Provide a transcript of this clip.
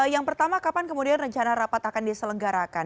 yang pertama kapan kemudian rencana rapat akan diselenggarakan